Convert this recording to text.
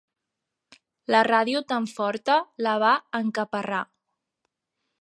La ràdio tan forta la va encaparrar.